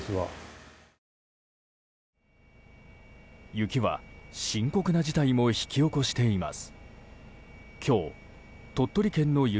雪は深刻な事態も引き起こしています。